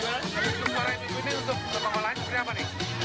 suara ini untuk pengolahan seperti apa nih